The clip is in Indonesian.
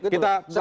kita tahan dulu ya